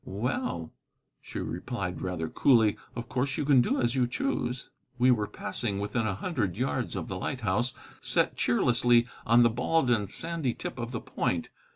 "Well," she replied, rather coolly, "of course you can do as you choose." We were passing within a hundred yards of the lighthouse, set cheerlessly on the bald and sandy tip of the point.